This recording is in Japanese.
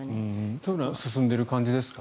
そういうのは進んでいる感じですか？